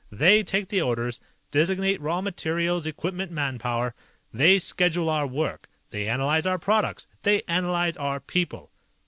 They take the orders, designate raw materials, equipment, manpower. They schedule our work. They analyze our products. They analyze our people."